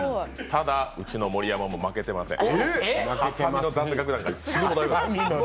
ただ、うちの盛山も負けてません。